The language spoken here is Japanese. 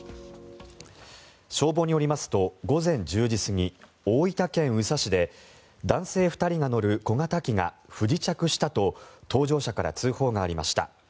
消防によりますと午前１０時過ぎ、大分県宇佐市で男性２人が乗る小型機が不時着したと搭乗者から通報がありました。